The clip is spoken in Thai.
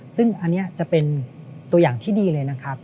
ซึ่งอันนี้จะเป็นตัวอย่างที่ดีเลยนะครับ